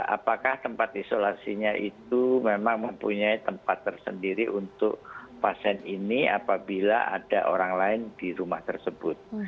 apakah tempat isolasinya itu memang mempunyai tempat tersendiri untuk pasien ini apabila ada orang lain di rumah tersebut